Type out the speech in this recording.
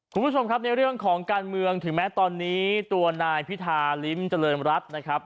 คุณผู้ชมครับในเรื่องของการเมืองถึงแม้ตอนนี้ตัวนายพิธาลิ้มเจริญรัฐนะครับ